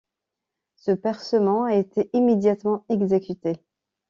Ce percement a été immédiatement exécuté.